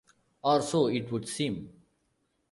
Or so it would seem.